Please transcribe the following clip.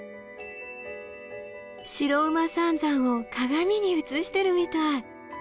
白馬三山を鏡に映してるみたい。